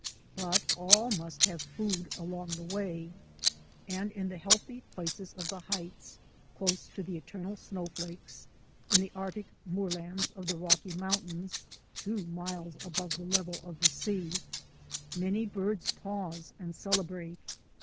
But all must have food along the way. And in the heathy places of the heights, close to the eternal snowfields — in the Arctic moorlands of the Rocky Mountains two miles above the level of the sea — many birds pause and celebrate.